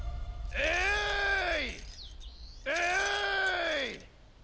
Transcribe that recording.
えい！！